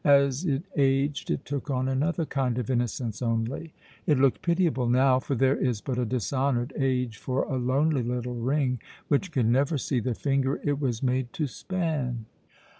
As it aged it took on another kind of innocence only. It looked pitiable now, for there is but a dishonoured age for a lonely little ring which can never see the finger it was made to span.